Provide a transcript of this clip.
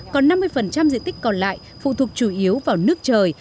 còn năm mươi diện tích còn lại phụ thuộc chủ yếu vào nước trời